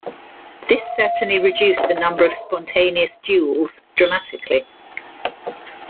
This certainly reduced the number of spontaneous duels dramatically.